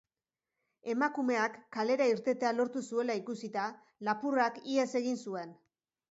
Emakumeak kalera irtetea lortu zuela ikusita, lapurrak ihes egin zuen.